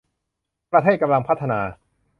ประเทศกำลังพัฒนา